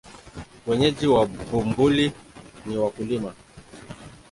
Wenyeji wa Bumbuli ni wakulima.